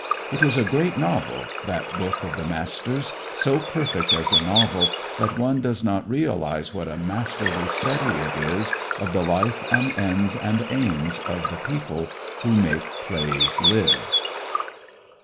It is a great novel, that book of the master's, so perfect as a novel that one does not realize what a masterly study it is of the life and ends and aims of the people who make plays live.